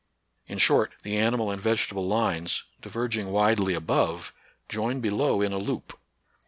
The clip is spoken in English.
In short, the animal and vege table lines, diverging widely above, join below in a loop.